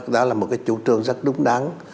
đó là một cái chủ trương rất đúng đắn